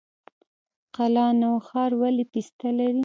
قلعه نو ښار ولې پسته لري؟